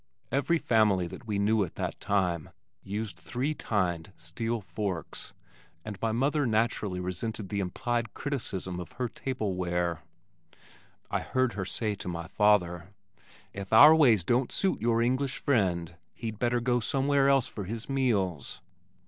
Every family that we knew at that time used three tined steel forks and my mother naturally resented the implied criticism of her table ware. I heard her say to my father, "If our ways don't suit your English friend he'd better go somewhere else for his meals."